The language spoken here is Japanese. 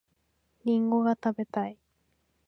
りんごが食べたい